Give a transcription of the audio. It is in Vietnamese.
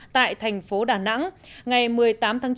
tại thành phố đà nẵng ngày một mươi tám tháng chín năm hai nghìn một mươi tám